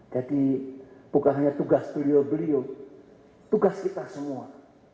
jadi bukan hanya tugas beliau beliau tugas kita semua